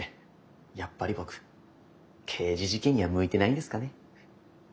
やっぱり僕刑事事件には向いてないんですかね。